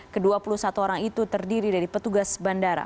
kedua puluh satu orang itu terdiri dari petugas bandara